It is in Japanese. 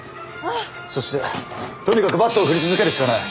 そしてとにかくバット振り続けるしかない。